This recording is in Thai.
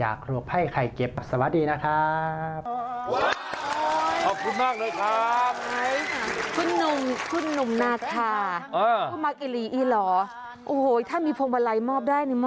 อะไรก็อยากร้องบ้าง